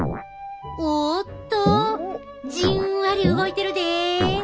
おっとじんわり動いてるで！